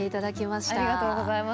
ありがとうございます。